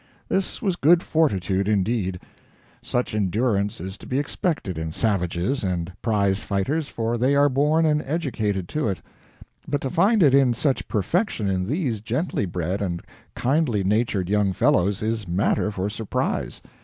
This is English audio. This was good fortitude, indeed. Such endurance is to be expected in savages and prize fighters, for they are born and educated to it; but to find it in such perfection in these gently bred and kindly natured young fellows is matter for surprise.